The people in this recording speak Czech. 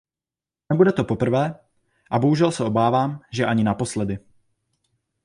Nebude to poprvé a bohužel se obávám, že ani naposledy.